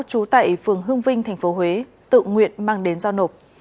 chú tại phường hương vinh tp huế tự nguyện mang đến do nộp